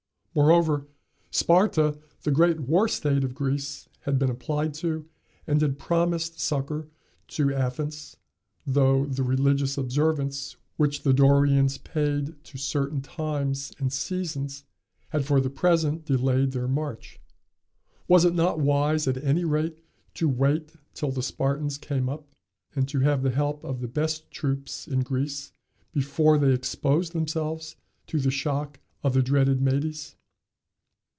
Moreover, Sparta, the great war state of Greece, had been applied to, and had promised succor to Athens, though the religious observance which the Dorians paid to certain times and seasons had for the present delayed their march. Was it not wise, at any rate, to wait till the Spartans came up, and to have the help of the best troops in Greece, before they exposed themselves to the shock of the dreaded Medes?